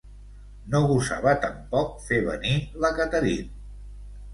No gosava tampoc fer venir la Catherine.